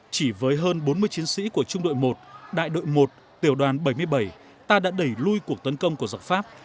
chỉ với hơn bốn mươi chiến sĩ của trung đội một đại đội một tiểu đoàn bảy mươi bảy ta đã đẩy lui cuộc tấn công của giọng pháp